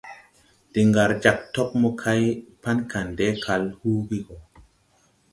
De ngar jāg tob mokay pan Kandɛ kal huugi go.